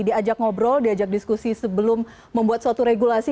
diajak ngobrol diajak diskusi sebelum membuat suatu regulasi